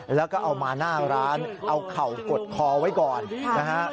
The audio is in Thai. แล้วก็เอามาหน้าร้านเอาเข่ากดคอไว้ก่อนนะฮะ